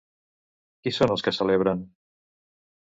Qui són els que celebren?